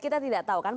kita tidak tahu kan